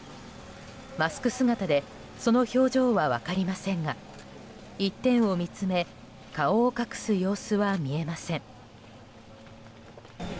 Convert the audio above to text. マスク姿でその表情は分かりませんが一点を見つめ顔を隠す様子は見えません。